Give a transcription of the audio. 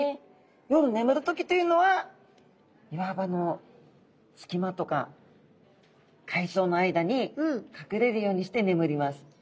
夜ねむる時というのは岩場の隙間とか海藻の間にかくれるようにしてねむります。